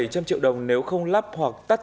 bảy trăm linh triệu đồng nếu không lắp hoặc tắt